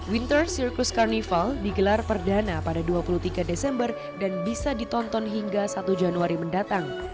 winter circus carnival digelar perdana pada dua puluh tiga desember dan bisa ditonton hingga satu januari mendatang